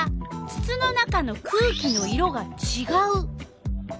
つつの中の空気の色がちがう。